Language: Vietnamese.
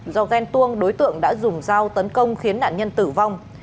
do ghen tuông đối tượng đã dùng dao tấn công khiến nạn nhân tử vong